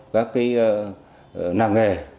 các cái nàng nghề